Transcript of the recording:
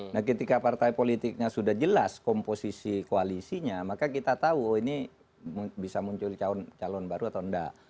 nah ketika partai politiknya sudah jelas komposisi koalisinya maka kita tahu ini bisa muncul calon baru atau enggak